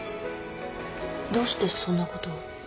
どうしてそんなことを？